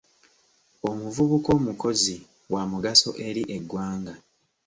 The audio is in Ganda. Omuvubuka omukozi wa mugaso eri eggwanga.